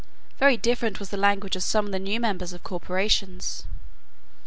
Very different was the language of some of the new members of corporations.